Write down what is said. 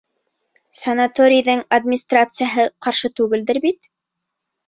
Санаторийҙың администрацияһы ҡаршы түгелдер бит?